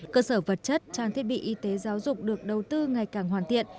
cơ sở vật chất trang thiết bị y tế giáo dục được đầu tư ngày càng hoàn thiện